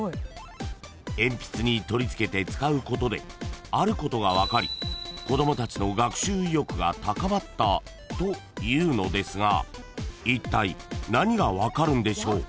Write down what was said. ［鉛筆に取り付けて使うことであることが分かり子供たちの学習意欲が高まったというのですがいったい何が分かるんでしょう］